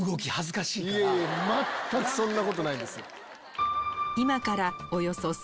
全くそんなことないです。